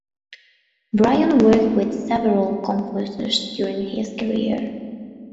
Bryan worked with several composers during his career.